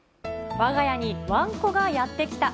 わが家にワンコがやって来た。